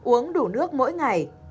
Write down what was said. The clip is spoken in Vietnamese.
uống đủ nước mỗi ngày